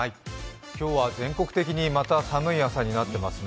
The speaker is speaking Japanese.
今日は全国的にまた寒い朝になってますね。